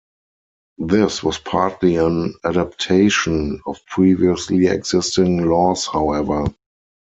This was partly an adaptation of previously existing laws however.